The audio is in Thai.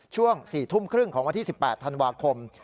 ช่วง๔ทุ่มครึ่งของวันที่๑๘ธันวาคม